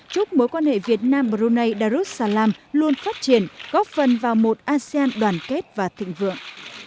chúc mối quan hệ việt nam brunei darussalam luôn phát triển góp phần vào một asean đoàn kết và thịnh vượng